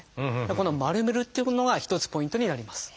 この丸めるっていうのが一つポイントになります。